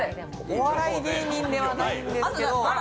お笑い芸人ではないんですけど。